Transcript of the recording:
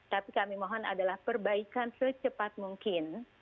tapi kami mohon adalah perbaikan secepat mungkin